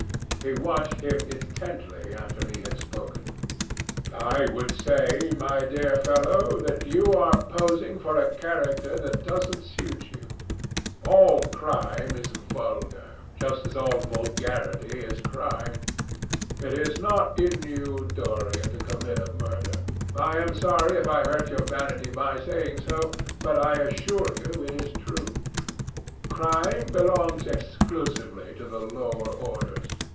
He watched him intently after he had spoken. "I would say, my dear fellow, that you were posing for a character that doesn't suit you. All crime is vulgar, just as all vulgarity is crime. It is not in you, Dorian, to commit a murder. I am sorry if I hurt your vanity by saying so, but I assure you it is true. Crime belongs exclusively to the lower orders.